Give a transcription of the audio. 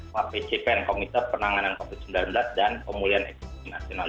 pak pcp dan komite penanganan covid sembilan belas dan pemulihan ekonomi nasional